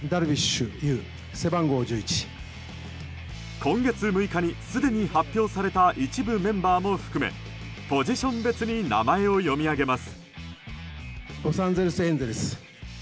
今月６日にすでに発表された一部メンバーも含めポジション別に名前を読み上げます。